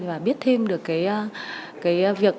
và biết thêm được cái việc